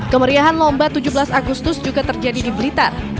kemeriahan lomba tujuh belas agustus juga terjadi di blitar